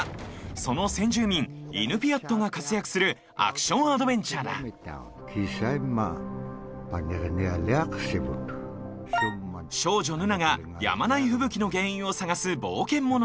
その先住民イヌピアットが活躍するアクションアドベンチャーだ少女ヌナがやまない吹雪の原因を探す冒険物語。